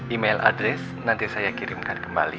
email address nanti saya kirimkan kembali